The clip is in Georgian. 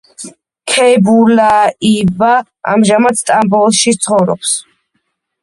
ქეიბულაიევა ამჟამად სტამბოლში ცხოვრობს.